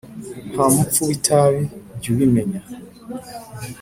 Nta mupfu w’itabi jyu ubimenya